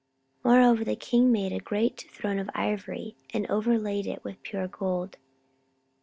14:009:017 Moreover the king made a great throne of ivory, and overlaid it with pure gold.